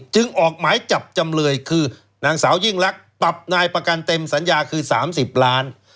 จึงออกหมายจับจำเลยคือนางสาวยิ่งลักษณ์ปรับนายประกันเต็มสัญญาคือ๓๐ล้าน